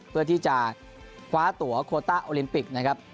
เพื่อที่จะคว้าตัวโคต้าโอลิมปิกนะครับ